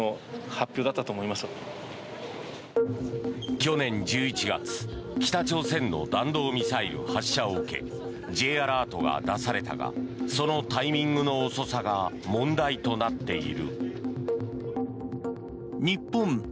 去年１１月北朝鮮の弾道ミサイル発射を受けＪアラートが出されたがそのタイミングの遅さが問題となっている。